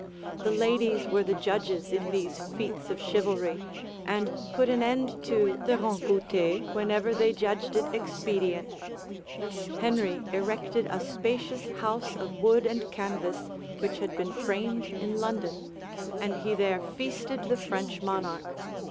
The ladies were the judges in these feats of chivalry, and put an end to the rencounter whenever they judged it expedient. Henry erected a spacious house of wood and canvas, which had been framed in London; and he there feasted the French monarch.